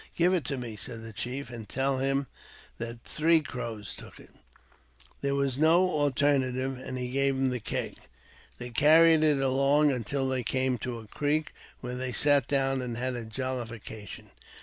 " Give it me," said the chief, " and tell him that Three Crows took it.'' There was no alternative, and he gave him the keg. They carried it along until they came to a creek, where they sat down and had a jollification.